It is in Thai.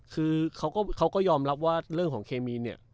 คือเขาก็ยอมรับว่าเรื่องของเคมีนเนี่ย